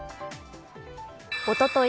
おととい